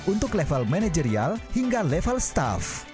untuk level manajerial hingga level staff